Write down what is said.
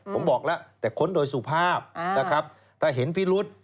ผมบอกแล้วแต่ค้นโดยสุภาพนะครับถ้าเห็นพิรุษ